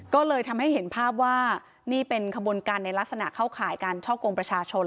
ก็เลยทำให้เห็นภาพว่านี่เป็นขบวนการในลักษณะเข้าข่ายการช่อกงประชาชน